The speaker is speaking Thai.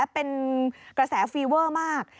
เป็นกระแสฟีเวอร์มาก